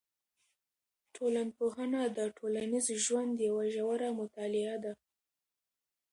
ټولنپوهنه د ټولنیز ژوند یوه ژوره مطالعه ده.